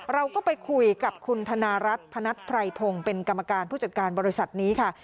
เราก็ไปคุยกับคุณธนารัฐพนัทไพรพงศ์เป็นกรรมการผู้จัดการบริษัทนี้ค่ะ